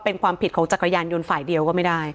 เป็นความผิดของจักรยานยนต์ฝ่ายเดียวก็ไม่ได้